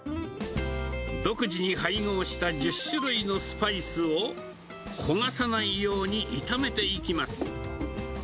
独自に配合した１０種類のスパイスを、焦がさないように炒めていきます。